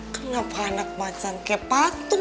kenapa anak macan kayak patung